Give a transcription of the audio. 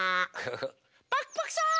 パクパクさん！